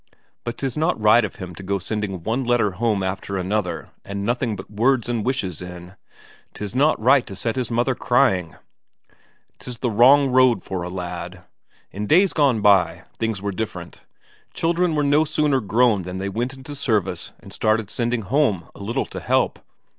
But 'tis not right of him to go sending one letter home after another and nothing but words and wishes in. 'Tis not right to set his mother crying. 'Tis the wrong road for a lad. In days gone by, things were different. Children were no sooner grown than they went into service and started sending home a little to help.